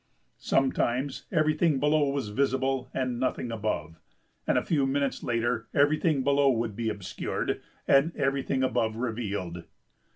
Sometimes everything below was visible and nothing above, and a few minutes later everything below would be obscured and everything above revealed.